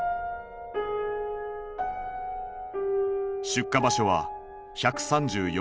出火場所は１３４か所。